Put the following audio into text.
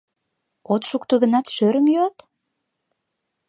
От шукто гынат, шӧрым йӱат?